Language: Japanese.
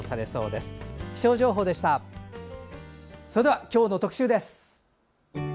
それでは今日の特集です。